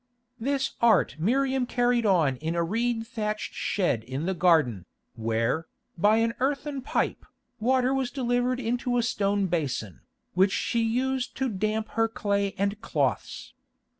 This art Miriam carried on in a reed thatched shed in the garden, where, by an earthen pipe, water was delivered into a stone basin, which she used to damp her clay and cloths.